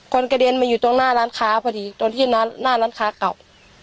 กระเด็นมาอยู่ตรงหน้าร้านค้าพอดีตรงที่หน้าร้านค้าเก่า